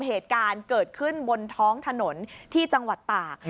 เหตุการณ์เกิดขึ้นบนท้องถนนที่จังหวัดตาก